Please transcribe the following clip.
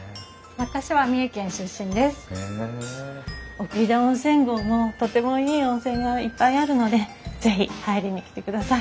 奥飛騨温泉郷もとてもいい温泉がいっぱいあるので是非入りに来てください。